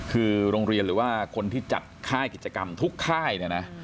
คือโรงเรียนหรือว่าคนที่จัดค่ายกิจกรรมทุกค่ายเนี่ยนะ